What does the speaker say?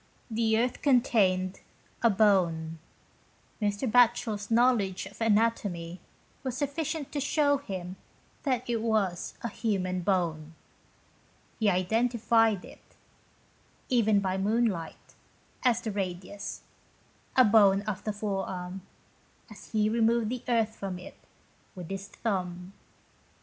The earth contained a bone. Mr. Batchel's know ledge of anatomy was sufficient to show him that it was a human bone. He identified it, even by moonlight, as the radius, a bone of the forearm, as he removed the earth from it, with his thumb.